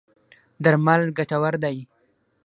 درمل ګټور دی.